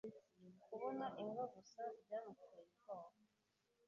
Kubona imbwa gusa byamuteye ubwoba.